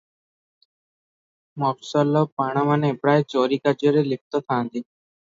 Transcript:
ମଫସଲର ପାଣମାନେ ପ୍ରାୟ ଚୋରି କାର୍ଯ୍ୟରେ ଲିପ୍ତ ଥାନ୍ତି ।